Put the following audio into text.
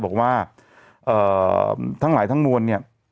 บอกว่าทั้งหลายทั้งมวล